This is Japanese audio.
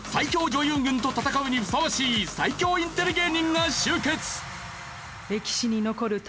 女優軍と戦うにふさわしい最強インテリ芸人が集結！